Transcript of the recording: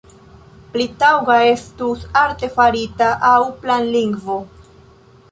Pli taŭga estus artefarita aŭ planlingvo.